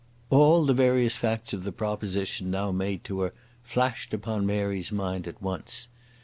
All the various facts of the proposition now made to her flashed upon Mary's mind at once.